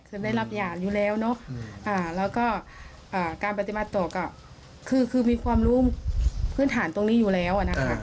มันได้รับยาวอยู่แล้วแล้วก็การปฏิบัติโตคือคือมีความรู้พื้นฐานตรงนี้อยู่แล้ว